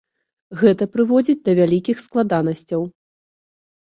Гэта прыводзіць да вялікіх складанасцяў.